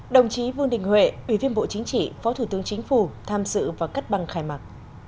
đồng chí vương đình huệ ủy viên bộ chính trị phó thủ tướng chính phủ tham dự và cắt băng khai mạc